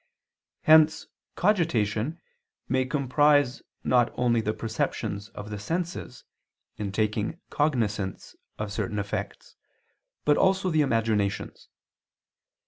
Hence cogitation may comprise not only the perceptions of the senses in taking cognizance of certain effects, but also the imaginations.